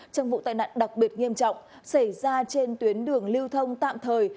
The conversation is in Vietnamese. trong vụ tai nạn đặc biệt nghiêm trọng xảy ra trên tuyến đường lưu thông tạm thời